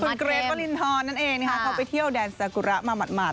คุณเกรทวรินทรนั่นเองนะคะเขาไปเที่ยวแดนซากุระมาหมาด